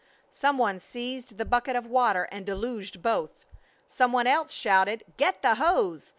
Some one seized the bucket of water and deluged both. Some one else shouted, "Get the hose!"